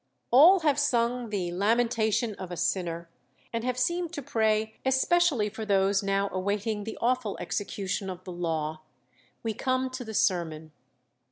All have sung 'the Lamentation of a Sinner,' and have seemed to pray 'especially for those now awaiting the awful execution of the law.' We come to the sermon.